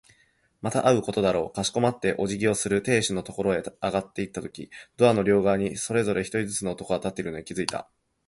また会うことだろう。かしこまってお辞儀をする亭主のところへ上がっていったとき、ドアの両側にそれぞれ一人ずつの男が立っているのに気づいた。